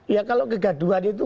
ya kalau kegaduhan itu